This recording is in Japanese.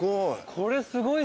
これすごいっすね。